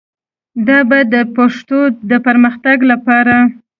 دا به د پښتو د پرمختګ لپاره